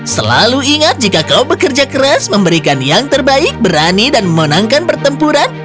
selalu ingat jika kau bekerja keras memberikan yang terbaik berani dan memenangkan pertempuran